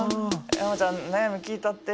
山ちゃん悩み聞いたって。